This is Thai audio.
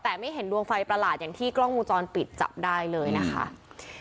แต่ไม่เห็นดวงไฟประหลาดอย่างที่กล้องมูลจรปิดจับได้เลยนะคะ